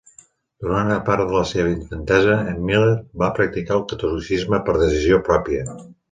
Durant una part de la seva infantesa en Miller va practicar el catolicisme per decisió pròpia.